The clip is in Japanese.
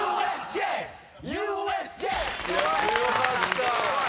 強かった。